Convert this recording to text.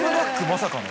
まさかの。